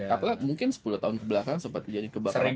apalagi mungkin sepuluh tahun kebelakangan sempat jadi kebakaran hutan